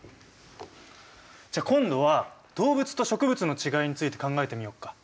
じゃあ今度は動物と植物のちがいについて考えてみようか。